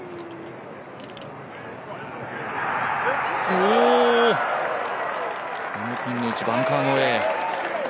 お、ニアピンの位置、バンカー越え。